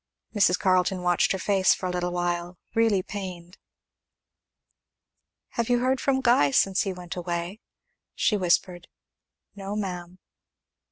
Mrs. Carleton watched her face for a little while, really pained. "Have you heard from Guy since he went away?" she whispered. "No, ma'am."